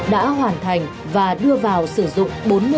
đã hoàn thành và đưa vào sử dụng